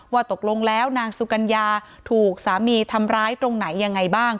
ว่าตกลงแล้วนางสุกัญญาถูกสามีทำร้ายตรงไหนยังไงบ้าง